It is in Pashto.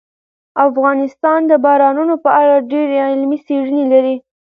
افغانستان د بارانونو په اړه ډېرې علمي څېړنې لري.